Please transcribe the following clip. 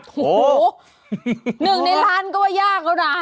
โอ้โห๑ในล้านก็ว่ายากแล้วนะ